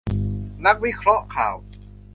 นักวิเคราะห์ข่าว